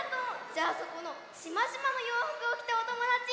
じゃあそこのしましまのようふくをきたおともだち。